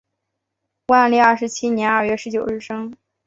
万历二十七年二月十九日生。